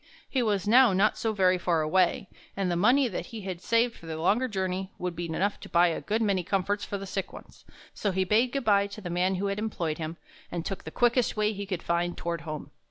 He was now not so very far 56 THE HUNT FOR THE BEAUTIFUL away, and the money that he had saved for the longer journey would be enough to buy a good many comforts for the sick ones. So he bade good by to the man who had employed him, and took the quickest way he could find toward home.